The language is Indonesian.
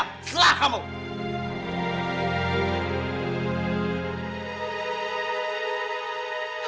boleh bawa pun ya